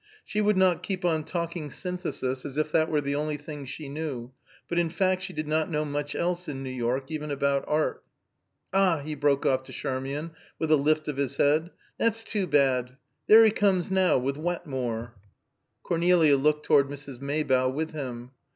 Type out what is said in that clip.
She would not keep on talking Synthesis, as if that were the only thing she knew, but in fact she did not know much else in New York, even about art. "Ah!" he broke off to Charmian, with a lift of his head. "That's too bad! There he comes now, with Wetmore!" Cornelia looked toward Mrs. Maybough with him.